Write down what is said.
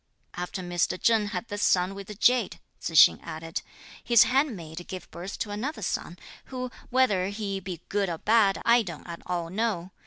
"After Mr. Cheng had this son with the jade," Tzu hsing added, "his handmaid gave birth to another son, who whether he be good or bad, I don't at all know.